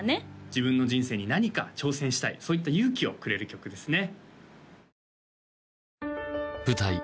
自分の人生に何か挑戦したいそういった勇気をくれる曲ですね